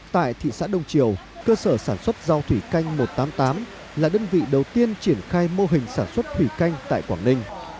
tại thị xã đông triều cơ sở sản xuất rau thủy canh một trăm tám mươi tám là đơn vị đầu tiên triển khai mô hình sản xuất thủy canh tại quảng ninh